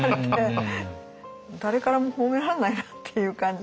誰からも褒めらんないなっていう感じの。